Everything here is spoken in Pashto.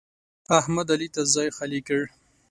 احمد؛ علي ته ځای خالي کړ.